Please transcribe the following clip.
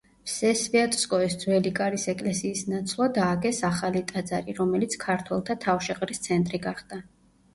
ვსესვიატსკოეში ძველი კარის ეკლესიის ნაცვლად ააგეს ახალი ტაძარი, რომელიც ქართველთა თავშეყრის ცენტრი გახდა.